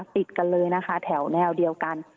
ติดกันเลยนะคะแถวแนวเดียวกัน